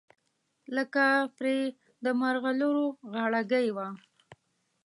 لکه پرې د مرغلرو غاړګۍ وه